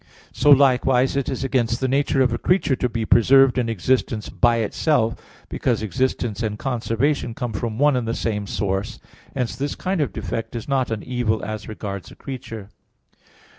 So, likewise, it is against the nature of a creature to be preserved in existence by itself, because existence and conservation come from one and the same source. Hence this kind of defect is not an evil as regards a creature.